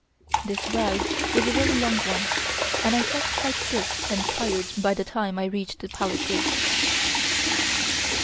This ride was a very long one and I felt quite stiff and tired by the time I reached the Palace gates.